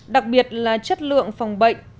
đặc biệt là chất lượng phòng bệnh